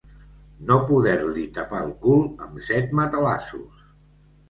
No poder-li tapar el cul amb set matalassos.